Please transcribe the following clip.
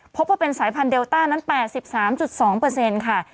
พบว่าเป็นสายพันธุเดลต้านั้น๘๓๒ค่ะ